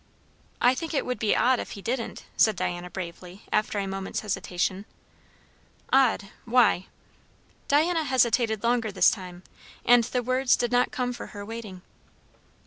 "I think it would be odd if he didn't," said Diana bravely, after a moment's hesitation. "Odd! why?" Diana hesitated longer this time, and the words did not come for her waiting.